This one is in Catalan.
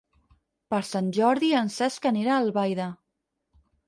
Per Sant Jordi en Cesc anirà a Albaida.